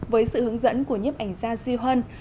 với sự hướng dẫn của nhiếp ảnh gia duy huân